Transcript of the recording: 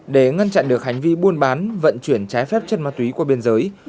để ngăn chặn được hành vi buôn bán vận chuyển trái phép chất ma túy qua biên giới